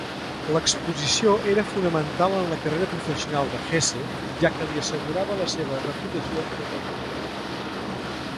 L'exposició era fonamental en la carrera professional de Hesse, ja que li assegurava la seva reputació en aquell moment.